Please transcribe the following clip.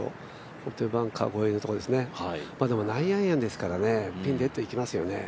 本当にバンカー越えのところですよね、でも９アイアンですからね、ピン、いきますよね。